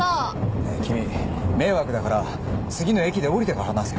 ねえ君迷惑だから次の駅で降りてから話せよ。